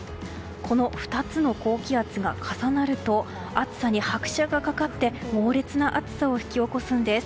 この２つの高気圧が重なると暑さに拍車がかかって猛烈な暑さを引き起こすんです。